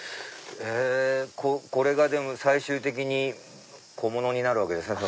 これが最終的に小物になるわけですね。